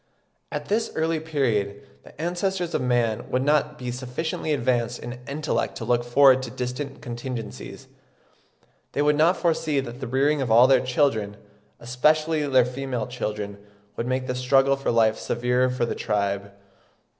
At this early period the ancestors of man would not be sufficiently advanced in intellect to look forward to distant contingencies; they would not foresee that the rearing of all their children, especially their female children, would make the struggle for life severer for the tribe.